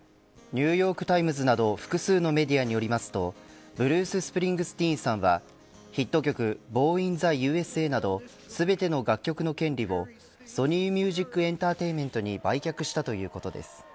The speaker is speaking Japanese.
ニューヨークタイムズなど複数のメディアによりますとブルース・スプリングスティーンさんはヒット曲ボーン・イン・ザ・ＵＳＡなど全ての楽曲の権利をソニー・ミュージックエンタテインメントに売却したということです。